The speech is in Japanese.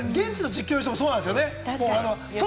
現地の実況の人もそうなんですよね。